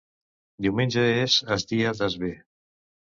Diumenge és es dia des bè